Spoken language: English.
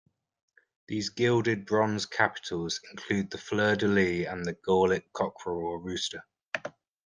These gilded bronze capitals include the fleur-de-lys and the Gallic cockerel or rooster.